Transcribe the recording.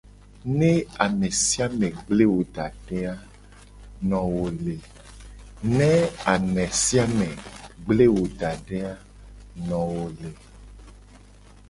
Ne ame sia me gble wo da de a, no wo le.